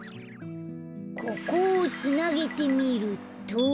ここをつなげてみると。